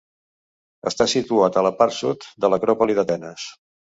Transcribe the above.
Està situat a la part sud de l'acròpoli d'Atenes.